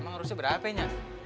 emang harusnya berapa nya